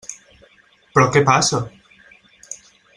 Però què passa?